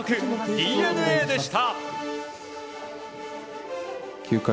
ＤｅＮＡでした。